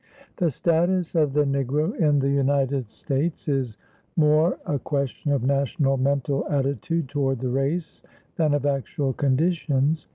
The status of the Negro in the United States' is more a question of national mental attitude toward the race than of actual conditions.